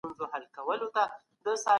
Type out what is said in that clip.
پایلې نژدې سملاسي څرګندې شوې.